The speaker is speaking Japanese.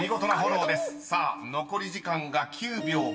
［さあ残り時間が９秒５７］